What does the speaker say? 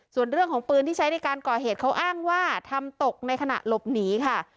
ส่วนเรื่องของปืนที่ใช้ในการก่อเหตุเขาอ้างว่าทำตกในขณะหลบหนีค่ะ